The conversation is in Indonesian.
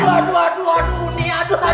aduh aduh aduh